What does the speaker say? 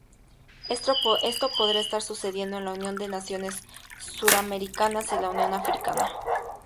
Esto podría estar sucediendo en la Unión de Naciones Suramericanas y la Unión Africana.